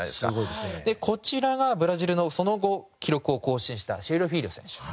でこちらがブラジルのその後記録を更新したシエロフィーリョ選手。